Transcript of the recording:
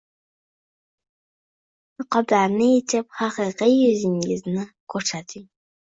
Niqoblarni yechib haqiqiy yuzingizni ko‘rsating.